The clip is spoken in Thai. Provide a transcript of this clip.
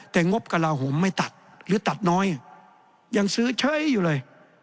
แต่งบกระลาโหมไม่ตัดหรือตัดน้อยยังซื้อเฉยอยู่เลย